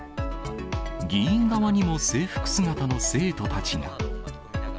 議員側にも制服姿の生徒たちが。